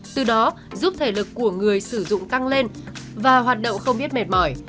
từ đó giúp thể lực của người sử dụng tăng lên và hoạt động không biết mệt mỏi